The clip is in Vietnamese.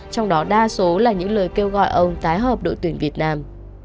trong đó đa số là những lời kêu gọi ông tái hợp đội tuyển việt nam